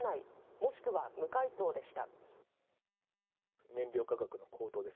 もしくは無回答でした。